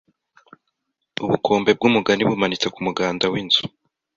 ubukombe bw’umugani bumanitse kumuganda w’inzu…